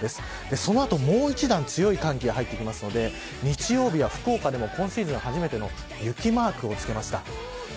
その後、もう一段強い寒気が入ってくるので日曜日は福岡でも今シーズン初めての雪マークを付けました。